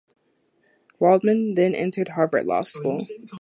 Waldman then entered Harvard Law School.